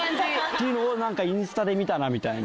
ていうのをなんかインスタで見たなみたいな。